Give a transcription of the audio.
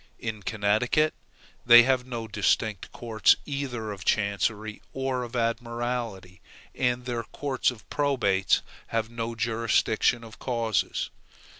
In Connecticut, they have no distinct courts either of chancery or of admiralty, and their courts of probates have no jurisdiction of causes.